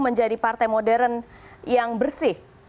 menjadi partai modern yang bersih